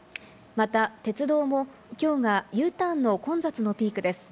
また鉄道も今日がＵターンの混雑のピークです。